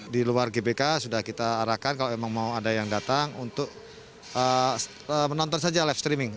di luar gbk sudah kita arahkan kalau memang mau ada yang datang untuk menonton saja live streaming